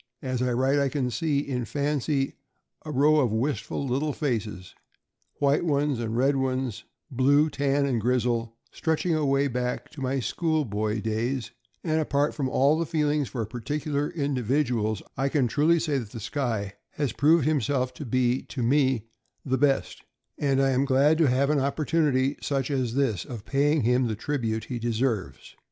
As I write, I can see, in fancy, a row of little wistful faces — white ones and red ones, blue, tan, and grizzle, stretching away back to my school boy days; and apart from all feelings for particular individuals, I can truly say that the Skye has proved himself to be, to me, the best, and I am glad to have an opportunity, such as this, of paying him the tribute he deserves.